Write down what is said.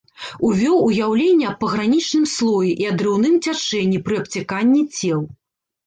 Увёў уяўленне аб пагранічным слоі і адрыўным цячэнні пры абцяканні цел.